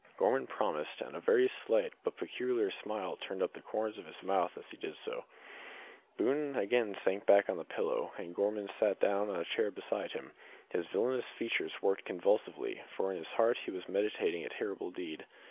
Gorman promised, and a very slight but peculiar smile turned up the corners of his mouth as he did so. Boone again sank back on his pillow, and Gorman sat down on a chair beside him. His villainous features worked convulsively, for in his heart he was meditating a terrible deed.